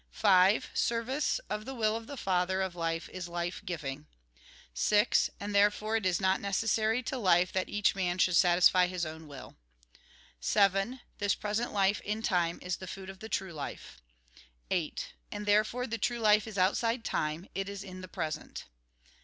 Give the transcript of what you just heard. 5. Service of the Will of the Father of Life is hfe giving. 6. And therefore, it is not necessary to life that each man should satisfy his own will. AUTHOR'S PREFACE 3 7. This present life in time is the food of the true life. 8. And therefore, the true life is outside time ; it is in the present.